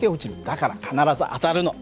だから必ず当たるの。